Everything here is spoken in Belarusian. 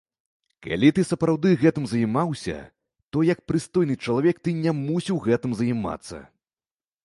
Калі ты сапраўды гэтым займаўся, то як прыстойны чалавек ты не мусіў гэтым займацца.